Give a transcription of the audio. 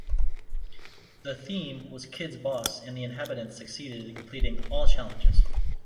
The theme was "Kids boss" and the inhabitants succeeded in completing all challenges.